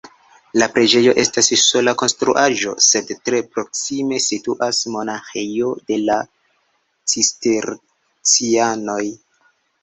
La preĝejo estas sola konstruaĵo, sed tre proksime situas monaĥejo de la cistercianoj.